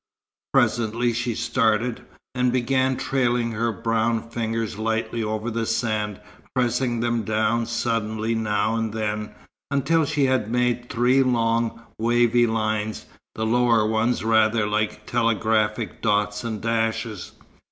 Presently she started, and began trailing her brown fingers lightly over the sand, pressing them down suddenly now and then, until she had made three long, wavy lines, the lower ones rather like telegraphic dots and dashes.